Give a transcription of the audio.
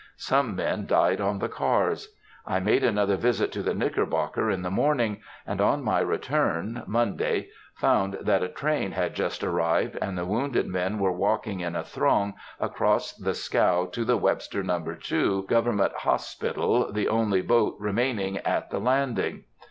Some men died on the cars. I made another visit to the Knickerbocker in the morning, and on my return (Monday), found that a train had just arrived, and the wounded men were walking in a throng across the scow to the Webster No. 2, Government Hospital, the only boat remaining at the landing.